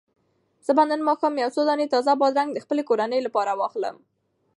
زه به نن ماښام یو څو دانې تازه بادرنګ د خپلې کورنۍ لپاره واخلم.